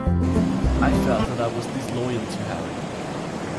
I felt that I was disloyal to Harry.